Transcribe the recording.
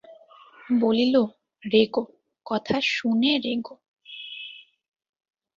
বলিল, রেগো, কথা শুনে রোগো।